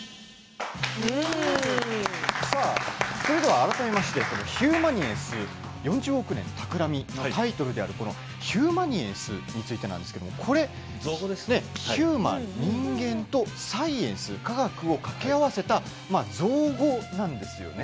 改めまして「ヒューマニエンス４０億年のたくらみ」タイトルである「ヒューマニエンス」についてなんですがヒューマン、人間とサイエンス、科学を掛け合わせた造語なんですよね。